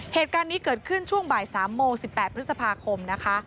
เหตุการณ์นี้เกิดขึ้นช่วงบ่าย๓โมง๑๘พฤษภาคมนะคะ